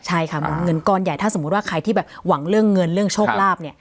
ใช่ค่ะเงินก้อนใหญ่ถ้าสมมุติว่าใครที่แบบหวังเรื่องเงินเรื่องโชคลาภเนี่ย